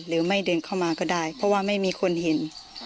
หรือไม่เดินเข้ามาก็ได้เพราะว่าไม่มีคนเห็น